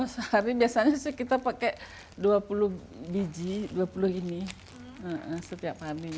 sehari biasanya sih kita pakai dua puluh biji dua puluh ini setiap hari